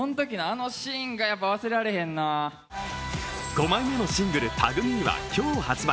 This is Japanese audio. ５枚目のシングル「ＴＡＧＭＥ」は今日発売。